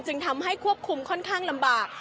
จึงทำให้ควบคุมค่อนข้างลำบาก